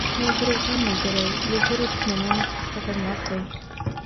یو دروغجن ملګری له زرو دښمنانو څخه خطرناک دی.